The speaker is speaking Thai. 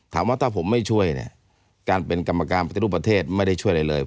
ถามว่าถ้าผมไม่ช่วยเนี่ยการเป็นกรรมการปฏิรูปประเทศไม่ได้ช่วยอะไรเลย